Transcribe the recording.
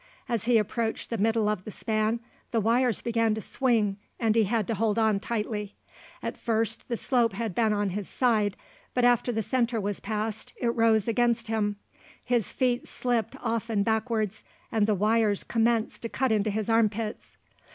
As he approached the middle of the span the wires began to swing, and he had to hold on tightly. At first the slope had been on his side, but after the centre was passed it rose against him; his feet slipped often backwards, and the wires commenced to cut into his armpits.